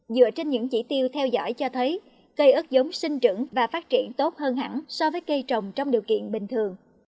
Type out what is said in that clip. dựa trên những chỉ tiêu theo dõi cho thấy cây ớt giống sinh trưởng và phát triển tốt hơn hẳn so với cây trồng trong điều kiện bình thường